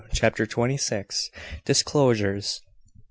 CHAPTER TWENTY SIX. DISCLOSURES.